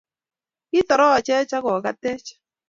Kitorochech agogatech